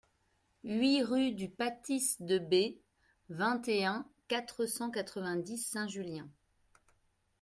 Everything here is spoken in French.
huit rue du Pâtis de Bey, vingt et un, quatre cent quatre-vingt-dix, Saint-Julien